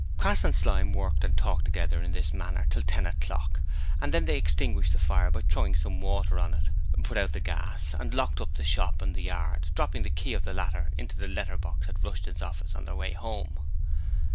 Crass and Slyme worked and talked in this manner till ten o'clock, and then they extinguished the fire by throwing some water on it put out the gas and locked up the shop and the yard, dropping the key of the latter into the letter box at Rushton's office on their way home.